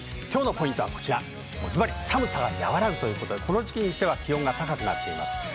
今日のポイントはこちら、寒さが和らぐこの時期にしては気温が高くなっています。